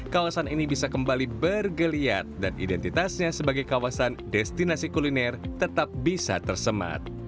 kawasan ini bisa kembali bergeliat dan identitasnya sebagai kawasan destinasi kuliner tetap bisa tersemat